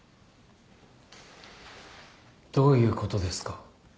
どういうことですか？